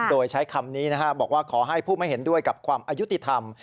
โดยใช้คำนี้บอกว่าขอให้ผู้ไม่เห็นด้วยกับความอายุติธรรม